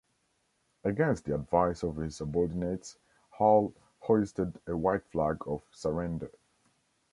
Against the advice of his subordinates, Hull hoisted a white flag of surrender.